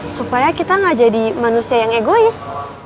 supaya kita gak jadi manusia yang egois